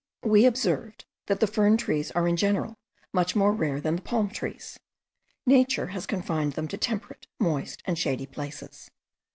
We observed that the fern trees are in general much more rare than the palm trees. Nature has confined them to temperate, moist, and shady places.